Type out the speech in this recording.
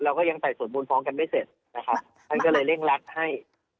ก็ยังไต่สวนมูลฟ้องกันไม่เสร็จนะครับท่านก็เลยเร่งรัดให้